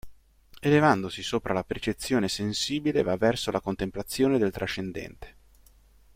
Elevandosi sopra la percezione sensibile va verso la contemplazione del trascendente.